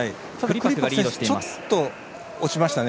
ちょっと落ちましたね。